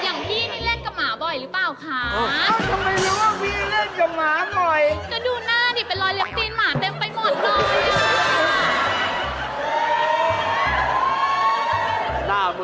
อย่างพี่นี่เล่นกับหมาบ่อยหรือเปล่าคะ